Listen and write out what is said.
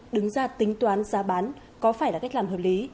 đứng ra tính toán giá bán có phải là cách làm hợp lý